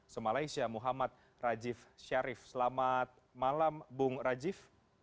se malaysia muhammad rajif syarif selamat malam bung rajif